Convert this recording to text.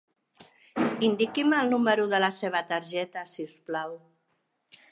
Indiqui'm el número de la seva targeta si us plau.